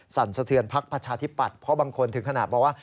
สั่นสะเทือนพักประชาธิปัตย์เพราะบางคนถึงขนาดบอกว่า